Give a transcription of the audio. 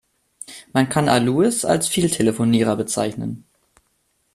Man kann Alois als Vieltelefonierer bezeichnen.